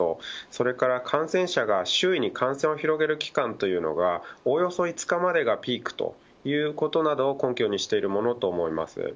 それから、感染者が周囲に感染を広げる期間というのはおおよそ５日までがピークということなどを根拠にしているものと思います。